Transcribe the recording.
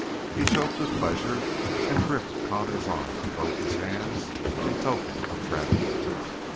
He choked with pleasure and gripped Connor's arm in both his hands in token of gratitude.